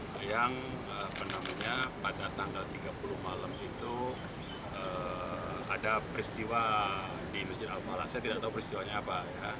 saya tidak tahu peristiwanya apa